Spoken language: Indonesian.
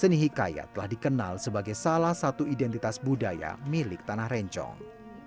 seni hikayat telah dikenal sebagai salah satu identitas budaya milik tanah rencong